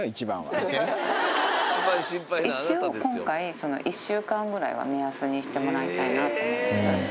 一応、今回、１週間ぐらいは目安にしてもらいたいなと思います。